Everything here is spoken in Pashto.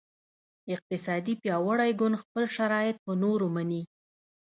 اقتصادي پیاوړی ګوند خپل شرایط په نورو مني